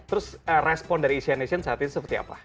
terus respon dari asian nation saat itu seperti apa